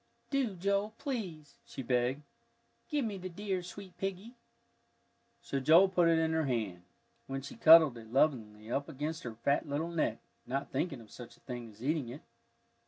"Do, Joel, please," she begged, "give me the dear, sweet piggie." So Joel put it in her hand, when she cuddled it lovingly up against her fat little neck, not thinking of such a thing as eating it.